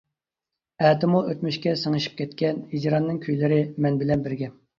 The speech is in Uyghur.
ئەتىمۇ ئۆتمۈشكە سىڭىشىپ كەتكەن، ھىجراننىڭ كۈيلىرى مەن بىلەن بىرگە.